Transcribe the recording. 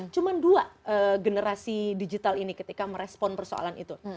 cuma dua generasi digital ini ketika merespon persoalan itu